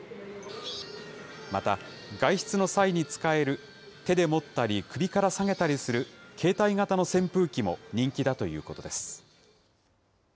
また、外出の際に使える手で持ったり首から提げたりする携帯型の扇風機も人気だということです。